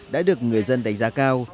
đã được người dân đánh giá cao